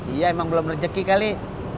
iya emang belum rejeki kali